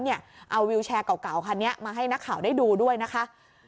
เอาวิวแชร์เก่าคันนี้มาให้นักข่าวได้ดูด้วยนะคะ